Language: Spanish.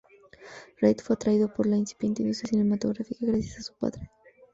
Reid fue atraído por la incipiente industria cinematográfica gracias a su padre.